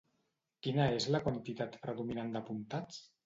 Quina és la quantitat predominant d'apuntats?